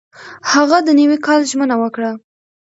هغه د نوي کال ژمنه وکړه.